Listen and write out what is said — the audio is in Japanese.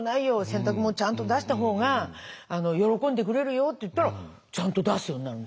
洗濯物ちゃんと出した方が喜んでくれるよ」って言ったらちゃんと出すようになるんです。